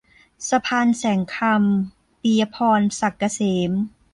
สะพานแสงคำ - ปิยะพร ศักดิ์เกษม